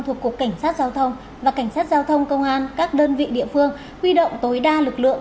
thuộc cục cảnh sát giao thông và cảnh sát giao thông công an các đơn vị địa phương huy động tối đa lực lượng